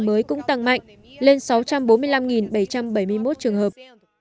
mới cũng tăng mạnh lên sáu trăm bốn mươi năm bảy trăm bảy mươi một trường hợp